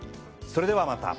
それではまた。